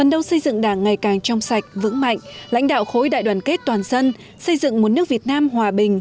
ngang trong sạch vững mạnh lãnh đạo khối đại đoàn kết toàn dân xây dựng một nước việt nam hòa bình